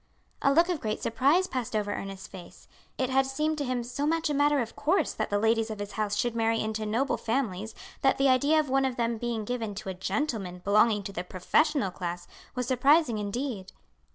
A look of great surprise passed over Ernest's face. It had seemed to him so much a matter of course that the ladies of his house should marry into noble families that the idea of one of them being given to a gentleman belonging to the professional class was surprising indeed.